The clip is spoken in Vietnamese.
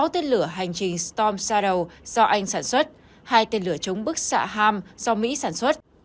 sáu tên lửa hành trình stom saro do anh sản xuất hai tên lửa chống bức xạ ham do mỹ sản xuất